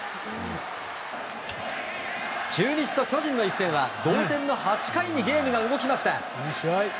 中日と巨人の一戦は同点の８回にゲームが動きました。